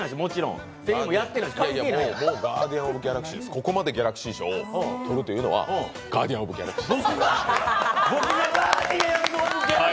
ここまでギャラクシー賞をとるということは「ガーディアンズ・オブ・ギャラクシー」。